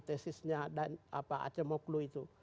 tesisnya dan acemuklu itu